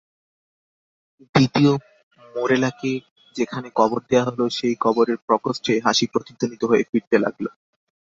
দ্বিতীয় মোরেলাকে যেখানে কবর দেয়া হল সেই কবরের প্রকোণ্ঠে হাসি প্রতিধ্বনিত হয়ে ফিরতে লাগল।